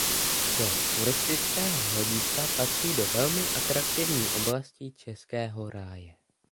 Z turistického hlediska patří do velmi atraktivní oblasti Českého ráje.